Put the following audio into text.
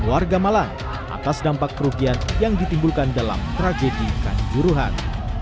warga malang atas dampak kerugian yang ditimbulkan dalam tragedi kanjuruhan